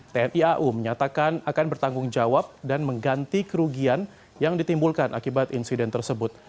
tni au menyatakan akan bertanggung jawab dan mengganti kerugian yang ditimbulkan akibat insiden tersebut